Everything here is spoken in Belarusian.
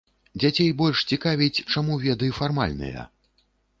Дзяцей больш цікавіць, чаму веды фармальныя.